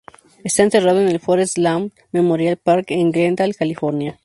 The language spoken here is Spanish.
Está enterrado en el Forest Lawn Memorial Park en Glendale, California.